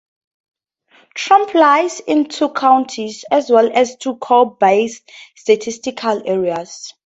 Troup lies in two counties as well as two core based statistical areas.